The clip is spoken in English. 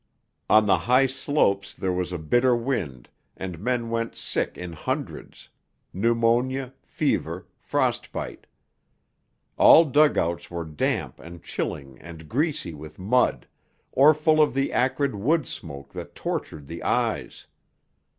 On the high slopes there was a bitter wind, and men went sick in hundreds pneumonia, fever, frost bite. All dug outs were damp and chilling and greasy with mud, or full of the acrid wood smoke that tortured the eyes.